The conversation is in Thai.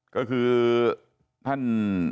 ก็คือท่าน